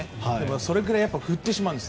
それくらい振ってしまうんです。